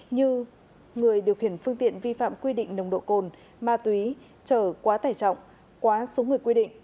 như người điều khiển phương tiện vi phạm quy định nồng độ cồn ma túy trở quá tải trọng quá số người quy định